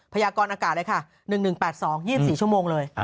พยากรอากาศเลยค่ะ๑๑๘๒๒๔ชั่วโมงเลย